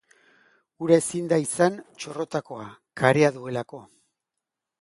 Ura ezin da izan txorrotakoa, karea duelako.